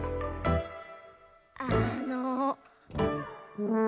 あの。